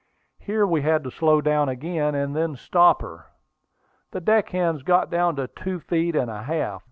Here we had to slow down again, and then stop her. The deck hands got down to two feet and a half.